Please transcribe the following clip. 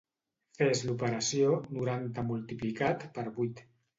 Fes l'operació noranta multiplicat per vuit.